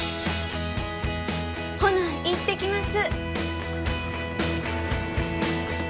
ほないってきます。